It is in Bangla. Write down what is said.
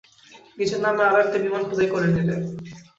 নিজের নামে আরো একটা বিমান খোদাই করে নিলে।